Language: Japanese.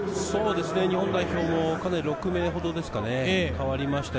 日本代表も６名ほどですか、代わりました。